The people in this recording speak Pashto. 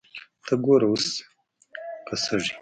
ته ګوره اوس کسږي